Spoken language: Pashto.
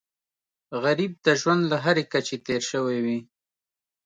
غریب د ژوند له هرې کچې تېر شوی وي